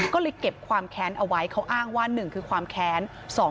ก็เลยเก็บความแค้นเอาไว้เขาอ้างว่า๑คือความแค้น